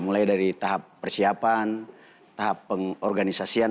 mulai dari tahap persiapan tahap pengorganisasian